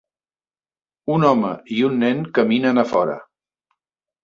Un home i un nen caminen a fora.